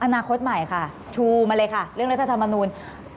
อนาคตใหม่ค่ะชูมาเลยค่ะเรื่องรัฐธรรมนูล